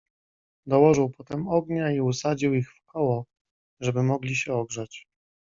"Dołożył potem ognia i usadził ich wkoło, żeby mogli się ogrzać."